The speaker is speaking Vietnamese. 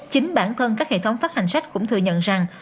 chính bản thân các hệ thống phát hành sách cũng thừa nhận rằng